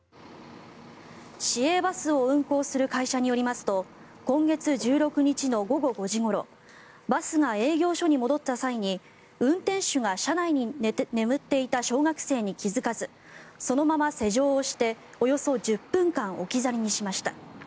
市営バスを運行する会社によりますと今月１６日の午後５時ごろバスが営業所に戻った際に運転手が、車内で眠っていた小学生に気付かずそのまま施錠をしておよそ１０分間置き去りにしました。